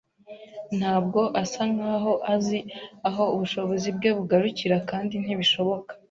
ntabwo asa nkaho azi aho ubushobozi bwe bugarukira kandi ntibishoboka